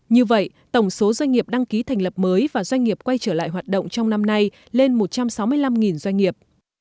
như vậy tổng số doanh nghiệp đăng ký thành lập mới và doanh nghiệp quay trở lại hoạt động trong năm nay lên một trăm sáu mươi năm doanh nghiệp